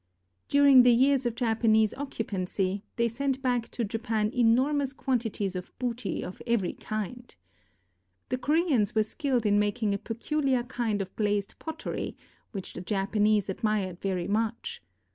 During the years of Japanese occupancy they sent back to Japan enormous quantities of booty of every kind. The Koreans were skilled in making a pecu liar kind of glazed pottery, which the Japanese admired very much.